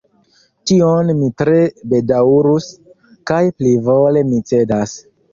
Tion mi tre bedaŭrus, kaj plivole mi cedas.